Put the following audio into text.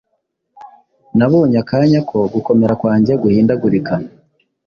Nabonye akanya ko gukomera kwanjye guhindagurika